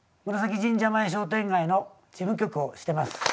紫神社前商店街の事務局をしてます。